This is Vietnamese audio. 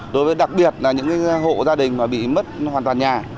đối với đặc biệt là những hộ gia đình mà bị mất hoàn toàn nhà